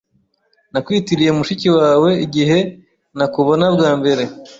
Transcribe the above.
Nakwitiriye mushiki wawe igihe nakubona bwa mbere.